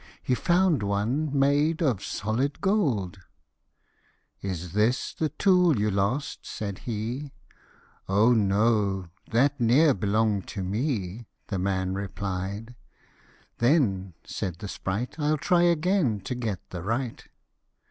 He found one made of solid gold !" Is this the tool you lost ?" said he ;" O no, that ne'er belonged to me," The man replied :" Then," said the sprite, " I'll try again to get the right."